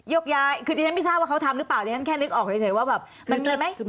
ยกย้ายคือดิฉันไม่ทราบว่าเขาทำหรือเปล่าดิฉันแค่นึกออกเฉยว่าแบบมันมีไหม